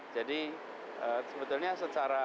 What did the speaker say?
jadi sebetulnya secara